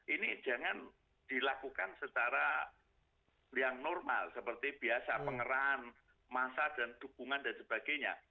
ini jangan dilakukan secara yang normal seperti biasa pengerahan masa dan dukungan dan sebagainya